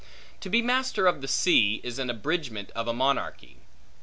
To be master of the sea, is an abridgment of a monarchy.